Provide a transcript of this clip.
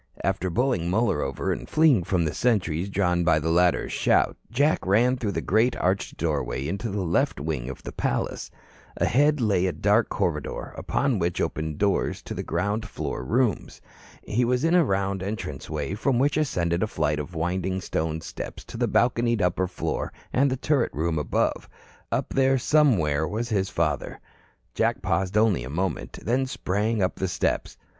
After bowling Muller over and fleeing from the sentries drawn by the latter's shout, Jack ran through the great arched doorway into the left wing of the palace. Ahead lay a dark corridor, upon which opened the doors of the ground floor rooms. He was in a round entranceway from which ascended a flight of winding stone steps to the balconied upper floor and the turret rooms above. Up there, somewhere, was his father. Jack paused only a moment, then sprang up the steps.